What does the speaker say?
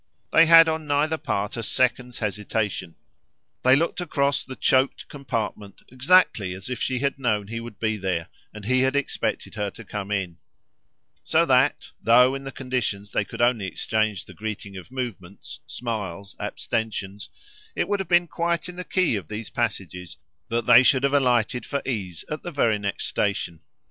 They had on neither part a second's hesitation; they looked across the choked compartment exactly as if she had known he would be there and he had expected her to come in; so that, though in the conditions they could only exchange the greeting of movements, smiles, abstentions, it would have been quite in the key of these passages that they should have alighted for ease at the very next station.